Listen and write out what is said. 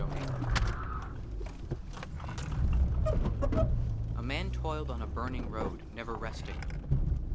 60 LV A MAN TOILED ON A BURNING ROAD, NEVER RESTING.